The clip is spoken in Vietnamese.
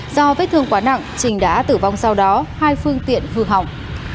do vết thương quá nặng trình đã tử vong sau đó hai phương tiện vừa hỏng